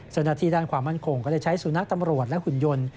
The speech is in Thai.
จนที่ด้านขวามั่นคงก็ได้ใช้สู่นักตำรวจและหุ่นยนต์